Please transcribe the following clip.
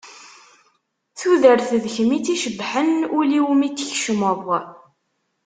Tudert d kemm i tt-icebbḥen, ul-iw mi t-tkecmeḍ.